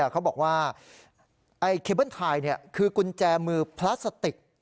เขาบอกว่าเคเบิ้ลไทยคือกุญแจมือพลาสติก